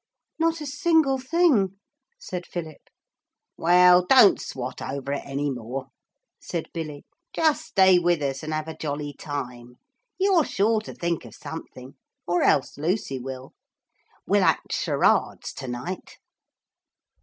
'Not a single thing,' said Philip. 'Well, don't swat over it any more,' said Billy; 'just stay with us and have a jolly time. You're sure to think of something. Or else Lucy will. We'll act charades to night.'